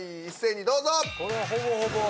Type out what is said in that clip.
一斉にどうぞ！